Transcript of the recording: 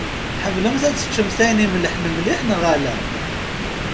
Tḥemmlemt ad teččemt ayen imellḥen mliḥ neɣ ala?